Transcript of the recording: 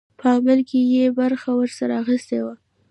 په عمل کې یې برخه ورسره اخیستې وه.